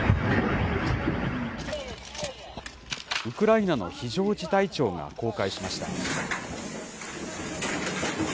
ウクライナの非常事態庁が公開しました。